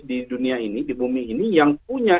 di dunia ini di bumi ini yang punya